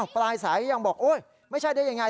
ปลายสายยังบอกโอ๊ยไม่ใช่ได้ยังไง